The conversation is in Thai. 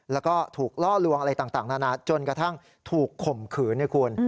แล้วก็ถูกล่อลวงอะไรต่างนานาจนกระทั่งถูกข่มขืนนะคุณ